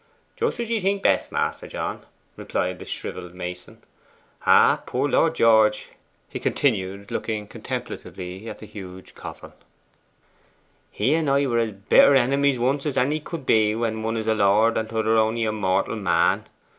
'Just as ye think best, Master John,' replied the shrivelled mason. 'Ah, poor Lord George!' he continued, looking contemplatively at the huge coffin; 'he and I were as bitter enemies once as any could be when one is a lord and t'other only a mortal man.